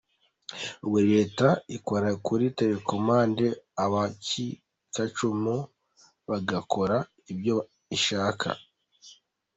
Ubu Leta ikora kuri telecomande abacikacumu bagakora ibyo ishaka.